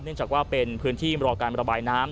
จากว่าเป็นพื้นที่รอการระบายน้ำ